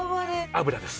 油です。